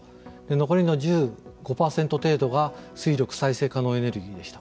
残りの１５％程度が水力再生可能エネルギーでした。